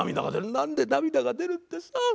なんで涙が出るってさ